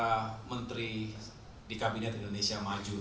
dan juga para menteri di kabinet indonesia maju